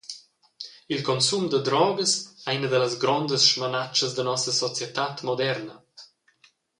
Il consum da drogas ei ina dallas grondas smanatschas da nossa societad moderna.